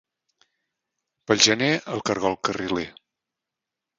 Pel gener, el caragol carriler.